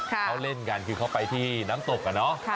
เขาเล่นกันคือเขาไปที่น้ำตกอะเนาะ